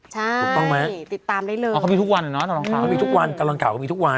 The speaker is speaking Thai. ใช่ติดตามได้เลยเขามีทุกวันเนอะตลอดข่าวมีทุกวันตลอดข่าวก็มีทุกวัน